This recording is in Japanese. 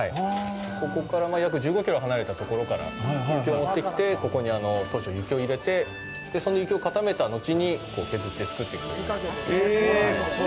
ここから約１５キロ離れたところから雪を持ってきて、ここに当初、雪を入れてその雪を固めた後に削って作っていくという。